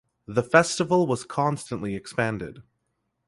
The festival was constantly expanded.